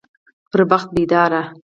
پر بخت بيداره